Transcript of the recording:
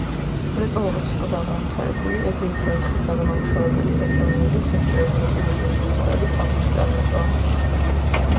მრეწველობა სუსტადაა განვითარებული, ეს ძირითადად ხის გადამამუშავებელი საწარმოები, თევზჭერა და ადგილობრივი მოხმარების აგურის წარმოებაა.